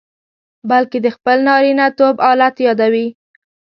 بلکې د خپل نارینتوب آلت یادوي.